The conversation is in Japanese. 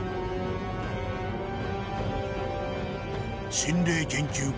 心霊研究家